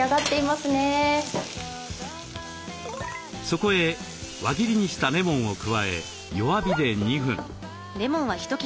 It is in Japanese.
そこへ輪切りにしたレモンを加え弱火で２分。